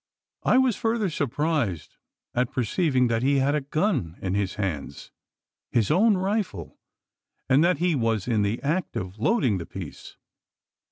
I was further surprised at perceiving that he had a gun in his hands his own rifle and that he was in the act of loading the piece!